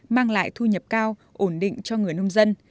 mang lại thu nhập cao ổn định cho người nông dân